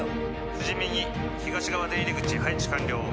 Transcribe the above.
富士見２東側出入り口配置完了。